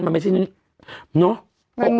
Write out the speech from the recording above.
มันไม่ใช่เนี่ยเนาะ